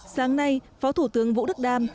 sáng nay phó thủ tướng vũ đức đam